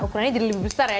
ukurannya jadi lebih besar ya